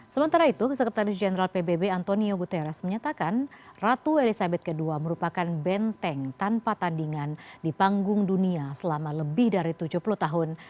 sementara itu sekretaris jenderal pbb antonio guterres menyatakan ratu elizabeth ii merupakan benteng tanpa tandingan di panggung dunia selama lebih dari tujuh puluh tahun